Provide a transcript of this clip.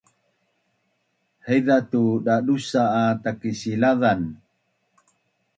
haiza tu dadusa’ a Takisilazan